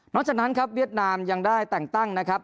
จากนั้นครับเวียดนามยังได้แต่งตั้งนะครับ